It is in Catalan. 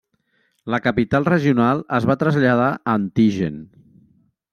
La capital regional es va traslladar a Antigen.